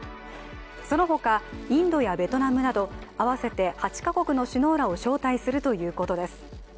その他インドやベトナムなど合わせて８か国の首脳らを招待するということです。